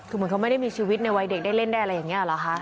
คือเหมือนเขาไม่ได้มีชีวิตในวัยเด็กได้เล่นได้อะไรอย่างนี้เหรอคะ